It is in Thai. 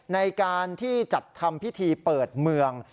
ในการที่จัดทำพิธีเปิดเมือง